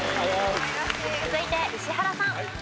続いて石原さん。